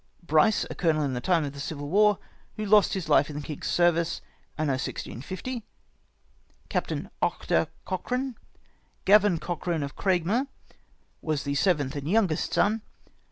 " Bryse, a colonel in the time of the Civil War, who lost his life in the king's service, Anno 1650. " Captain Ochter Cochran. " Gravin Cochran of Craigmure, was the seventh and youngest son.